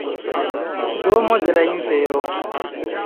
Domo de la Infero